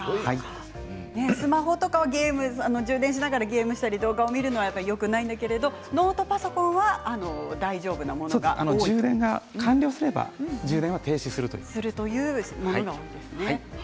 スマホとかは充電しながらゲームとか動画を見るのはよくないけどノートパソコンは充電が完了すれば充電が停止するというものですね。